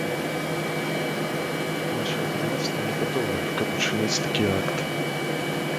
Наша грамадства не гатовае, каб учыніць такі акт.